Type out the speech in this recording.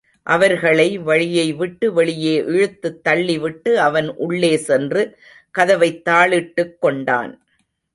அவர்களை வழியைவிட்டு வெளியே இழுத்துத் தள்ளிவிட்டு அவன் உள்ளே சென்று கதவைத் தாழிட்டுக் கொண்டான்.